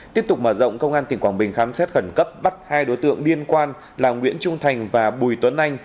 tiếp tục mở rộng công an tỉnh quảng bình khám xét khẩn cấp bắt hai đối tượng liên quan là nguyễn trung thành và bùi tuấn anh